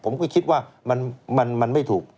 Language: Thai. ผมก็คิดว่ามันไม่ถูก